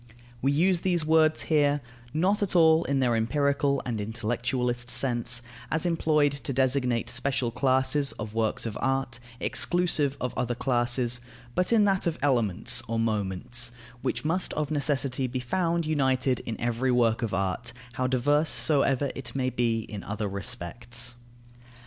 We use these words here, not at all in their empirical and intellectualist sense, as employed to designate special classes of works of art, exclusive of other classes; but in that of elements or moments, which must of necessity be found united in every work of art, how diverse soever it may be in other respects.